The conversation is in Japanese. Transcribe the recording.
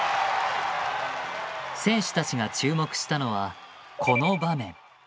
選手たちが注目したのはこの場面。